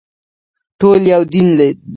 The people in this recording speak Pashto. ټول یو دین لري